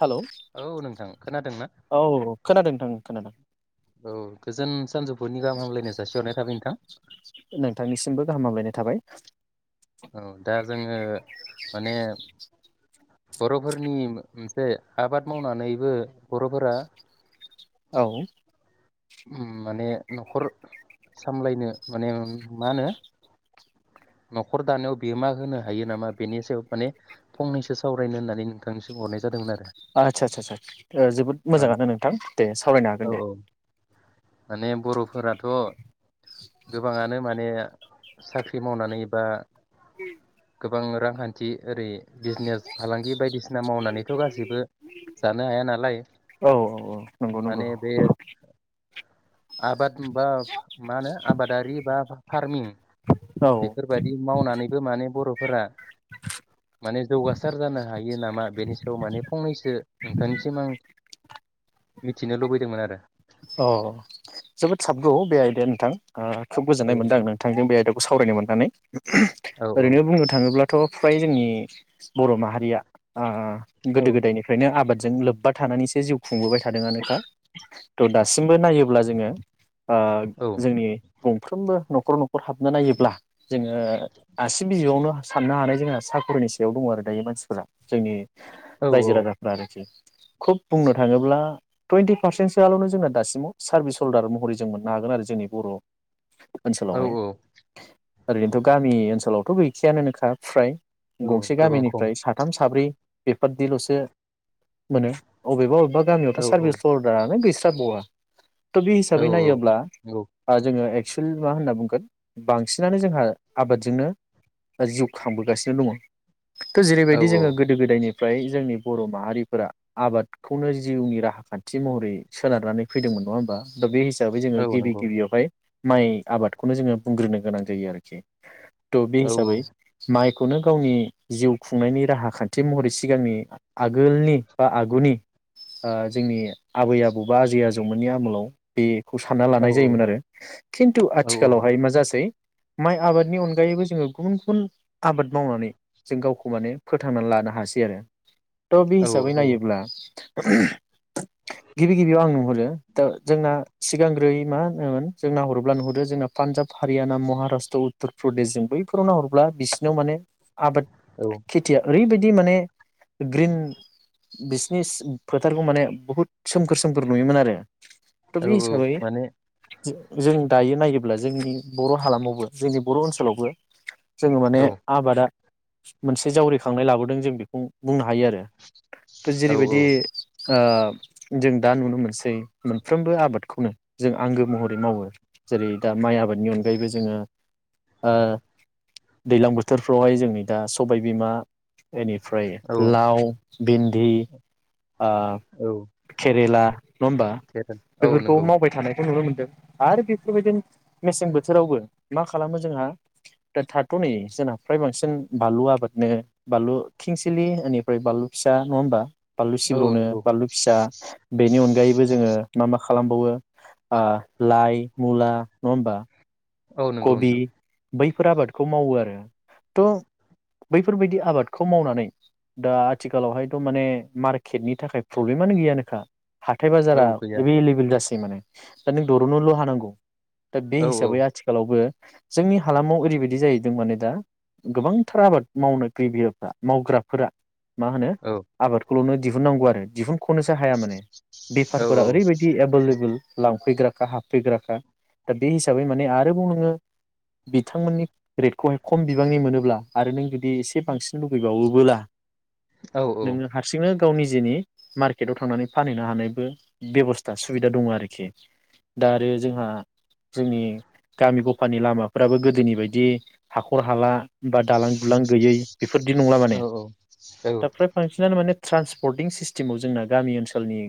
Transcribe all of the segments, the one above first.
Hello औ नोंथां खोनादोंना औ औ खोनादों नोंथां खोनादों औ गोजोन सानजौफुनि गाहाम हामलायनाय जासिहरनाय थाबाय नोंथां नोंथांनिसिमबो गाहाम हामलायनाय थाबाय ओ माने बरफोरनि मोनसे आबाद मावनानैबो बरफोरा औ ओम माने नखर सामलायनो माने मा होनो नखर दानायाव बियो मा होनो हायो नामा बेनि सायाव माने फंनैसो सावरायनो होननानै नोंथांनिसिम हरनाय जादोंमोन आरो आचाचासा चा जोबोद ओ मोजाङानो नोंथां दे सावरायनो औ हागोन औ दे माने बरफोराथ गोबाङानो माने साख्रि मावनानै बा गोबां रांखान्थि ओरै बिजनेस फालांगि बायदिसिना मावनानैथ गासैबो जानो हाया नालाय औ औ औ नंगौ नंगौ माने बे आबाद बा मा होनो आबादारि बा फार्मिं औ बेफोरबायदि मावनानैबो माने बरफोरा माने जौगासार जानो हायो नामा बेनि सायाव माने फंनैसो नोंथांनिसिम आं मिथिनो लुबैदोंमोन आरो अ जोबोद साबगौ बे आइदाया नोंथां ओ खोब गोजोननाय मोनदों आं नोंथांजों बे आयदाखौ सावरायनो मोन्नानै औ ओरैनो बुंनो थाङोब्लाथ फ्राय जोंनि बर माहारिया आ औ गोदो गोदायनिफ्रायनो आबाद जों लोब्बा थानानैसो जिउ खुंबोबाय था थादोंआनोखा थ दासिमबो नायोब्ला जोङो ओ औ जोंनि गंफ्रोमबो नख नखर नखर हाबनो नायोब्ला जोङो आसिम बिजगावनो साननो हानाय जोंहा साख्रिनि सायाव दङ आरो दायो मानसिफोरा जोंनि औ रायजो राजाफ्रा आरोखि खुब बुंनो थाङोब्ला तुइन्टि पारसेन्ट सोआलनो जोंना दासिमाव सार्भिस हल्डार महरै जों मोननो हागोन आरो जोंनि बर औ ओनसोलावहाय औ ओरैनोथ गामि ओनसोलावथ गैखायानो नोंखा फ्राय औ गंसे गोबां खम गामिनिफ्राय साथाम साब्रै बेफोरदिलसो मोनो अबेबा अबे बा गामियावथ औ र्साफोस सर्दार [unintelligible] स [unintelligible] बौवा थ बे औ हिसाबै नायोब्ला औ ओ जोङो एक्सुेल मा होनना बुंगोन बांसिनानो जोंहा आबादजोंनो जिउ खांबोगासिनो दङ थ औ जेरैबायदि जोङो गोदो गोदायनि फ्राय जोंनि बर माहारिफोरा आबादखौनो जिउनि राहा खान्थि महरै। सोनदारनानै फैदोंमोन नङा होमबा। दा बे हिसाबै जोङो औ औ गिबि नंगौ गिबियावहाय। माइ आबादखौनो जोङो बुंग्रोनो गोनां जायो आरोखि। थ बे औ हिसाबै माइ। खौनो गावनि जिउ खुंनायनि राहा खान्थि महरै सिगांनि आगोलनि बा आगुनि जोंनि आबै आबौ। बा आजै आजौमोननि आमोलाव बे। खौ सानना औ लानाय जायोमोन आरो खिन्थु आथिखालावहाय मा जासै। माइ आबादनि अनगायैबो जोङो गुबुन-गुबुन आबाद मावनानै जों गावखौ माने फोथांनानै लानो हासै आरो। थ बे औ हिसाबै औ नायोब्ला। उ [inaudible] गिबि गिबियाव आं नुहरो दा जोंना सिगांग्रोै मा होनोमोन जों नाहरोब्ला नुहुरो जोंना पान्जाब हारियाना महाराष्ट्र उत्तर प्रदेश जों बैफोराव नाहरब्ला बिसिनाव माने। आबाद औ खेथिया ओरैबायदि माने। ग्रिन बिसिनि फोथारखौ माने बहुद। सोमखोर सोमखोर नुयोमोन आरो। औ बे औ हिसाबै माने। जों दायो नायोब्ला जोंनि बर' हालामावबो जोंनि बर' ओनसोलावबो। जोङो माने औ आबादा। मोनसे जावरिखांनाय लाबोदों जों बेखौ बुंना। हायो आरो थ' औ जेरैबायदि। ओ। जों दा नुनो मोनसै मोनफ्रोमबो आबादखौनो जों आंगो महरै मावो जेरै दा माइ आबादनि अनगायैबो जोङो ओ दैज्लां बोथोरफ्रावहाय जोंनि दा सबायबिमा। बेनिफ्राय औ लाव भिन्दि। औ केेला। नङा होमबा थेरेन औ बेफोरखौ नंगौ मावबाय थानायखौ नुनो मोन आरो बेफोरबायदिनो मेसें बोथोरावबो मा खालामो जोंहा थाथ'नै जोंना फ्राय बांसिन बानलु आबादनो बानलु खिंसिलि बेनिफ्राय बानलु फिसा नङा होमबा। बानलु औ सिब्रनो नंगौ बानलु फिसा। बेनि अनगायैबो जोङो मा मा खालामबावो लाइ मुला नङा होमबा। औ नंगौ कबि नोंथां। बैफोर आबादखौ मावो आरो थ' बैफोरबायदि आबादखौ मावनानै दा आथिखालावहायथ' माने मार्केटनि थाखाय प्रब्लेमानो गैयानोखा। हाथाय औ बाजारा गैया एभैेलेबोल जासिन। बे मानो दा नों दरोननोल' हानांगौ। दा बे औ औ हिसाबै आथि। बो जोंनि हालामाव ओरैबायदि जाहैदों माने दा गोबांथार आबाद मावनो गिब्रिफ्रा मावग्राफोरा। मा होनो औ आबाद। खलनो दिहुननांगौ आरो दिहुन खनोसो हाया माने औ बेफारफोरा औ ओरैबायदि एभोल एबोल। लांफैग्राखा हाबफैग्राखा दा बे हिसाबै माने आर जेन बुं नोंङो बिथांमोननि रेटखौहाय खम बिबांनि मोनोब्ला आरो नों जुदि एसे बांसिन लुुबैबावोबोला। नोङो हारसिंनो गाव निजेनि मार्केटाव थांनानै फानहैनो हानायबो बेबस्था सुबिदा दंङ आरोखि दा आरो जोंहा जोंनि। गामि ग'फानि लामाफ्राबो गोदोनि बायदि हाखर हाला बा दालां दुलां गैयै। बेफोरदि नंला माने औ औ दा फ्राय फासिनानो माने ट्रान्सपर्टिं सिस्टेमाव जोंना गामि ओनसोलनि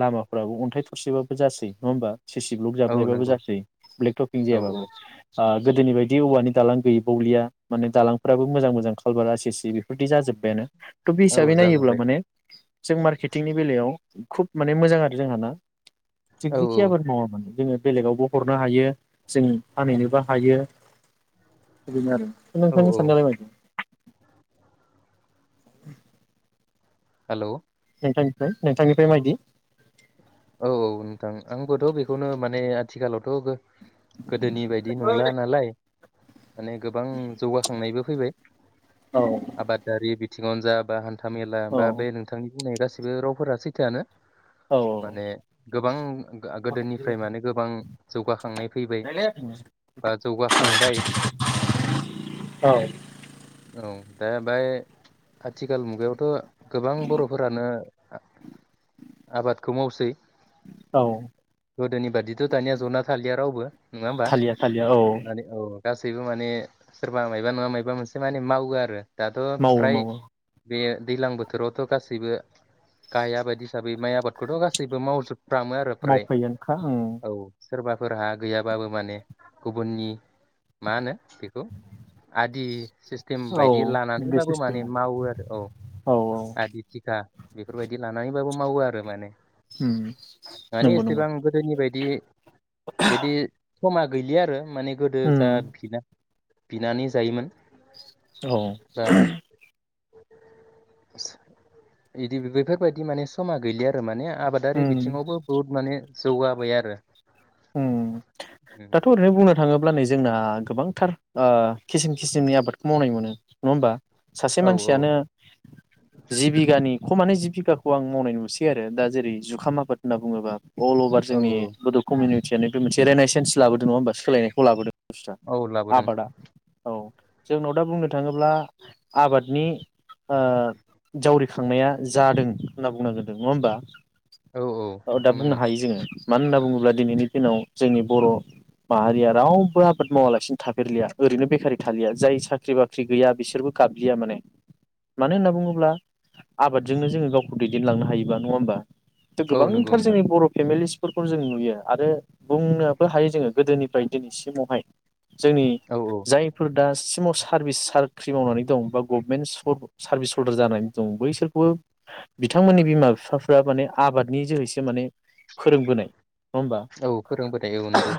लामाफ्राबो अन्थाइ थरसेबाबो जासै नङा होमबा। सिसि ब्लक औ जाबनायबाबो नंगौ जासै ब्लेकटक जि औ जायाबाबो। आ नगोदोनि बायदि औवानि दालां गैबावलिया माने दालांफोराबो मोजां मोजां कालबार आसि सि बेफोरबायदि जाजोब्बायानो। थ पि औ हिसाबै औ नायोब्ला जाजोब्बाय माने। जों मार्केटिंनि बेलायाव खुब माने मोजां आरो जोंहा ना‌ थिग औ जिख बेलेगावबो हरनो हायो। जों फानहैनोबो हायो दा बेनो आरो। दा औ नोंथांनिसां औ साननाया माबायदि। [inaudible] हेलौ। नोंथनिफ्राय नोंथांनिफ्राय मायदि। औ औ नोंथां आंबोथ' बेखौनो माने आथिखालावथगो गोदोनि बायदि नंला नालाय। माने गोबां जौगाखांनायबो फैबाय औ आबादारि बिद थिंङावनो जा बा हान। था मेरला बा बे नोंथांनि बुंनाय गासै बो रावफोरा सैथायोआानो। औ माने गोबां ओ गोदोनिफ्राय माने गोबां जौगाखांनाय फैबाय बा जौगाखांबाय औ औ। दा बाय आथिखाल मुगायावथ' गोबां बर'फोरानो आबाद खौ मावसै औ गोदोनि बादिथ' दानिया जना थालिया रावबो नङा होमबा थालिया थालिया औ नानै औ। गासैबो माने सोरबा मायबा नङा मबा मोनसे माने मावो आरो। दाथ' मावो फ्राय। मावो बे दैलां बोथोरावथ' गासैबो गाया बायदि हिसाबै माइ आबाद खोथ गासैबो मावजोब मावफैगोनखा ओं सोरबाफोरहा गैयाबाबो माने गुबुननि मा होनो बेखौ आदि सिस्टेम औ बायदि बे लानानैबाबो सिस्टेम माने मावो आरो औ आदि थिखा बेफोरबायदि लानानै मावो आरो माने उम मानि नंगौ नंगौ एसेबां गोदोनि बायदि बिदि समा गैलिया आरो माने गोदो जा उम बिना बिनानै जायोमोन। औ बा बिदि बेफोरबायदि माने समा गैलिया। मानि आ आबादारि उम बिथिङावबो बुहुत माने जौगाबाय आरो उम दाथ ओरैनो बुंनो थाङोब्लानो नै जोंना गोबांथार किसिम खिसिमनि आबादखौ मावनाय मोनो नङा होमबा सासे औ मानसियानो जि बिगानि खमानो जिब बिगाखौ आं मावनाय नुसै आरो दा जेरै जुखाम आबाद होननानै बुङोब्ला अल अभार औ जोंनि उटिया बे मोनसे रेनेस सेन्स लाबोदों नङा होनबा सोलायनायखौ लाबोदों। औ लाबोदों आबादा औ जोंनाव दा बुंनो थाङोब्ला आबादनि आ जावरिखांनाया जादों होनना बुंनोंगोन नङा होमबा औ औ दा बुंनो बुंनांगोन हायो जोङो मानो होनना बुङोब्ला दिनैनि दिनाव जोंनि बर' माहारिया रावबो आबाद मावालासिनो थाफेरलिया ओरैनो बेकारि थालिया जाय साख्रि बाख्रि गैया बिसोरबो गाबलिया माने मानो होनना बुङोब्ला आबादजोंनो जोङो गावखौ दैदेनलांनो हायोबा नङा होमबा औ नंगौ गोबांथार नोंथां जोंनि बर' फेमिलिस फोरखौ जों नुयो आरो बुंनोबो हायो जोङो गोदोनिफ्राय दिनैसिमावहाय जोंनि औ औ जायफोर दासिमाव सार्भिस साख्रि मावनानै दं बा गभमेन्ट सार्भिस हल्डार जानानै दं बैसोरखौबो बिथांमोननि बिमा बिफाफ्रा माने आबादनि जोहैसो माने फोरोंबोनाय नङा होमबा औ फोरोंबोनाय औ नंगौ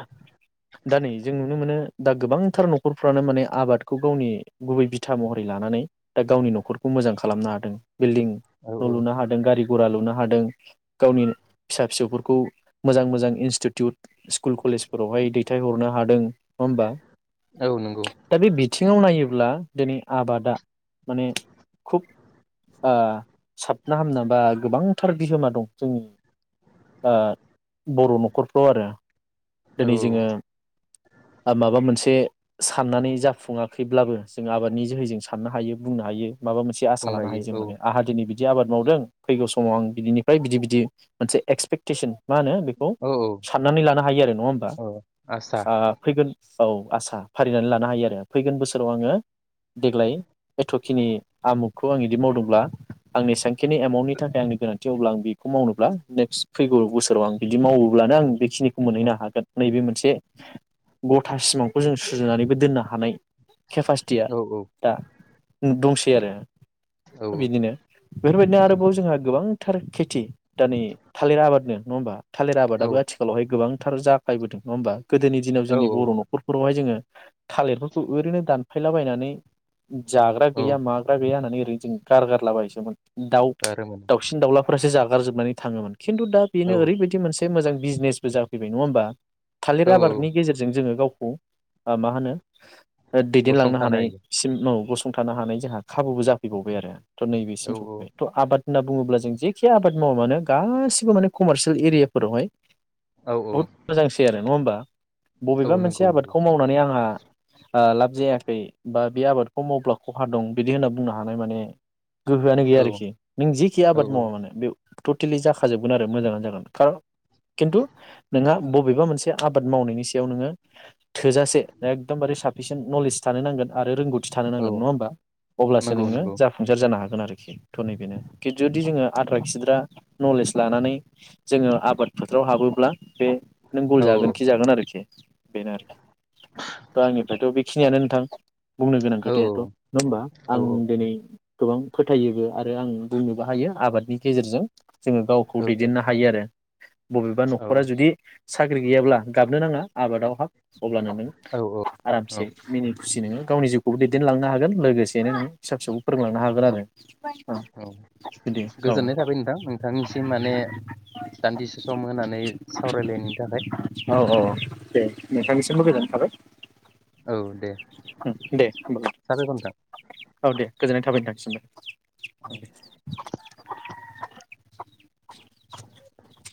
दा नै जों नुनो मोनो दा गोबांथार नखरफ्रानो माने आबादखौ गावनि गुबै बिथा महरै लानानै दा गावनि नखरखौ मोजां खालामनो हादों बिल्डिं औ न औ लुनो हादों गारि गघरा लुनो हादों हादों गावनि फिसा फिसौफोरखौ मोजां मोजां थाय हरनो हादों नङा होमबा औ नंगौ दा बे बिथिङाव नायो योब्ला दिनै आबादा माने खुब आ साबना हामना बा गोबांथार बिहोमा दं जोंनि आ बर' न'खरफ्राव आरो औ दिनै जोङो माबा मोनसे साननानै जाफुङाखैब्लाबो जों आबादनि जोहैजों साननो हायो बुंनो हायो। माबा मोनसे आसा बुंनो लानो हायो जों औ माने आंहा दिनै बि बिदि आबाद मावदों फैगौ समाव आं बिनिफ्राय बिदि बिदि मोनसे एक्सपेक्टेसन मा होनो बेखौ औ औ साननानै लानो हायो आरो नङा होमबा औ आसा फैगोन औ आसा फारिनानै लानो हायो आरो फैगोन बोसोराव आङो देग्लाय एथ'खिनि आमुगखौ आं बिदि मावदोंब्ला आंनि सेंखिनि एमाउन्टनि थाखाय आंनि गोनांथि अब्ला आं बेखौ मावनोब्ला नेक्स्ट फैगौ बोसोर फोराव आं बिदि औ मावोब्लानो आं बेखिनिखौ औ मोनहैनो हागोन नैबे मोनसे बे गथासिमाव खौ जों सुजुनानैबो दोनना हानाय केपासिटिया औ दा दंसै आरो। औ बिदिनो बेफोरबायदिनो आरोबाव जोंहा गोबां। टार खेथि दा नै थालिर आबादनो नङाबा। थालिर औ आबादाबो आथिखालावहाय गोबां फोथार जाखायबोदों नङा होमबा! गोदोनि दिनाव औ जोंनि बर' न'खरफोरावहाय जोङो थालिरफोरखौ ओरैनो दान फायलाबायायनानै जाग्रा गैया माग्रा गैया होननानै गारगारलाबायोसोमोन दाउ रोमोन दाउसिन दाउलाफोरासो जागोन हागारजोबनानै थाङोमोन खिन्थु दा औ बेनो ओरैबायदि मोनसे मोजां बिजनेसबो जाफैबाय नङा होमबा औ थालिर आबादनि औ गेजेरजों जोङो गाव मा होनो। दैदेनलांनो गसंथानो हायो हानायसिम बुस्थु फुंथानो हानाय जोंहा खाबुबो जाफैबावबाय आरो। थ' औ नैबेसिम सफैबाय थ' आबाद। होनना बुङोब्ला जों जेखि आबाद मावा मानो गासिबो माने कमारसियेल एरियाफोरावहाय औ बहुद मोजांसै आरो नङा होमबा औ बबेबा नंगौ मोनसे नंगौ आबादखौ मावनानै आंहा आ लाब जायाखै बा। बे आबादखौ मावब्ला खहा दं बिदि होनना बुंनो हानाय माने गोहोआनो गैया औ आरोखि नों जिखि औ आबाद मावा औ मानोे बे टटेलि जाखाजोबगोन आ दा मोजाङानो जागोन खार खिन्थु नोंहा बबेबा मोनसे आबाद मावनायनि सायाव नोङो थोजासे एकदमबारे साफिसिन्ट नलेज थानो नांगोन आरो रोंगौथि थानो औ नांगोन नङा होमबा अब्लासो नंगौ नोङो नंगौ जाफुंसार जानो हागोन। गोन आरोखि थ' नैबेनो खिद जुदि जोङो आद्रा खिद्रा नलेज लानानै जोङो आबाद फोथाराव हाबोब्ला बे नों गल औ जागोन खि जागोन आरोखि बेनो आरो दा आंनिफ्रायथ' बेखिनियानो नोंथां बुंनो गोनां औ खोथायाथ' नङा होमबा आं औ दिनै गोबां फोथायोबो आरो आं बुंनोबो हायो आबादनि गेजेरजों जोङो दैदेननो हायो आरो बबेबा औ न'खरा जुदि साख्रि गैयाब्ला गाबनो नाङा आबादाव हाब अब्लाना नों औ औ आरामसे मिनिट खुसि नोङो गावनि जिउखौबो दैदेनलांनो हागोन लोगोसेनो नों फिसा फिसौबो फोरोंलांनो हागोन आरो औ बिदि औ गोजोननाय थाबाय नोंथां नोंथांनिसिम माने दान्दिसे सम होनानै सावरायलायनायनि थाखाय औ अ दे औ नोंथांनिसिमबो गोजोननाय थाबाय औ दे दे होमबालाय साबायखर नोंथां औ दे गोजोननाय थाबाय नोंथांनिसिमबो ओं दे [inaudible] [inaudible]